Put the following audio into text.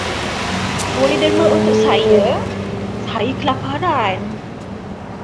Boleh derma untuk saya, saya kelaparan.